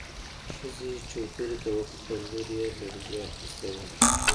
ښځې چوترې ته وکتل، لور يې لړزې اخيستې وه.